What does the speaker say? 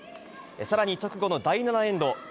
さらに直後の第７エンド。